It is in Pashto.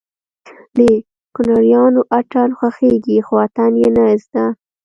د کونړيانو اتڼ خوښېږي خو اتڼ يې نه زده